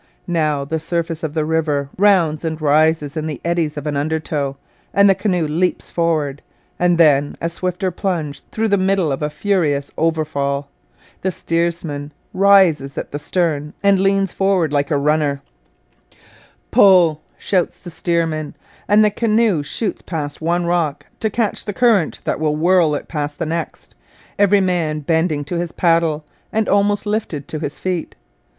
Now the surface of the river rounds and rises in the eddies of an undertow, and the canoe leaps forward; then, a swifter plunge through the middle of a furious overfall. The steersman rises at the stern and leans forward like a runner. [Illustration: TRACK SURVEY of the SASKATCHEWAN between CEDAR LAKE & LAKE WINNIPEG] 'Pull!' shouts the steersman; and the canoe shoots past one rock to catch the current that will whirl it past the next, every man bending to his paddle and almost lifted to his feet.